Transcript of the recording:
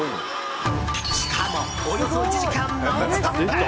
しかもおよそ１時間ノンストップ。